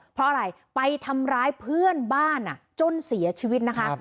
เพราะอะไรไปทำร้ายเพื่อนบ้านจนเสียชีวิตนะคะ